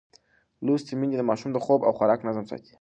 لوستې میندې د ماشوم د خوب او خوراک نظم ساتي.